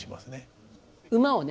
馬をね